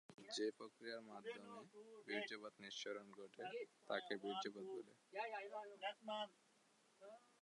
যে প্রক্রিয়ার মাধ্যমে বীর্য নিঃসরণ ঘটে তাকে বীর্যপাত বলে।